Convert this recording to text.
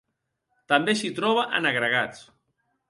També s'hi troba en agregats.